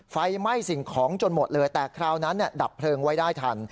ไฟไหม้สิ่งของจนหมดเลยแต่คราวนั้นดับเพลิงไว้ได้ทัน